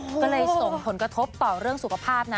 ก็เลยส่งผลกระทบต่อเรื่องสุขภาพนะ